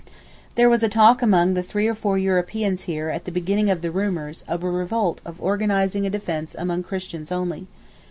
There was a talk among the three or four Europeans here at the beginning of the rumours of a revolt of organizing a defence among Christians only.